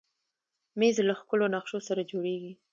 مېز له ښکلو نقشو سره جوړېږي.